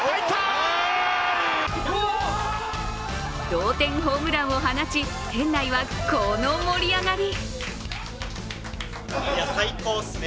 同点ホームランを放ち、店内はこの盛り上がり。